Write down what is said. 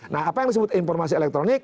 nah apa yang disebut informasi elektronik